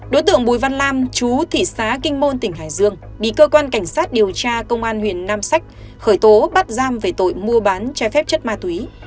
đối tượng bùi văn lam chú thị xã kinh môn tỉnh hải dương bị cơ quan cảnh sát điều tra công an huyện nam sách khởi tố bắt giam về tội mua bán trái phép chất ma túy